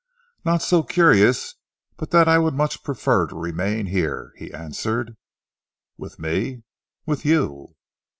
"Not so curious but that I would much prefer to remain here," he answered. "With me?" "With you."